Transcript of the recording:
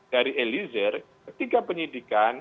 dari eliezer ketika penyidikan